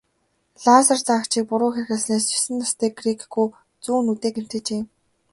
Лазер заагчийг буруу хэрэглэснээс есөн настай грек хүү зүүн нүдээ гэмтээжээ.